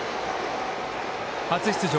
初出場